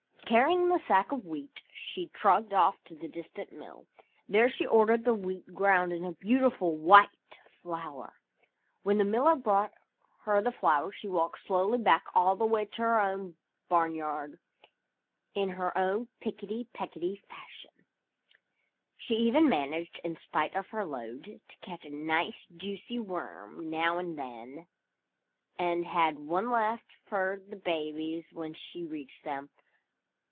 Carrying the sack of Wheat, she trudged off to the distant mill. There she ordered the Wheat ground into beautiful white flour. When the miller brought her the flour she walked slowly back all the way to her own barnyard in her own picketty pecketty fashion. She even managed, in spite of her load, to catch a nice juicy worm now and then and had one left for the babies when she reached them.